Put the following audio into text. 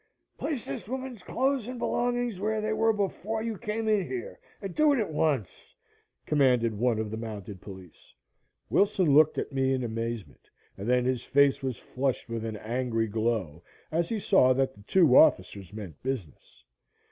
"Place this woman's clothes and belongings where they were before you came in here, and do it at once," commanded one of the mounted police. Wilson looked at me in amazement, and then his face was flushed with an angry glow as he saw that the two officers meant business.